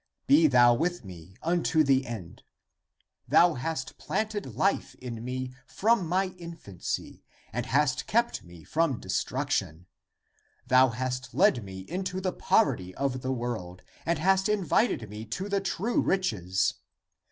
Be thou with me unto the end. Thou hast planted life in me from my infancy and hast kept me from destruction. Thou hast led me into the poverty of the world and hast invited me to the true riches.